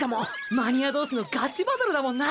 マニアどうしのガチバトルだもんな。